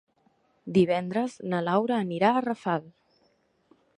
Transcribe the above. Divendres na Laura anirà a Rafal.